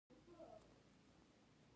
ایا زه باید بروتونه پریږدم؟